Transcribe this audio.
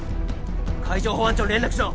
海上保安庁に連絡しろ！